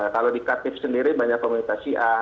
kalau di khatib sendiri banyak komunitas syiah